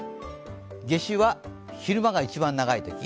夏至は、昼間が一番長い日。